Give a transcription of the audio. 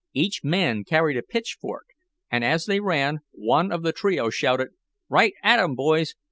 Each man carried a pitchfork, and as they ran, one of the trio shouted: "Right at 'em, boys!